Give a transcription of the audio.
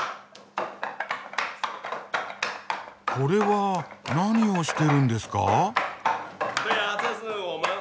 これは何をしてるんですか？